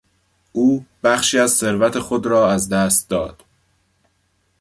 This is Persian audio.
او بخشی از ثروت خود ار از دست داد.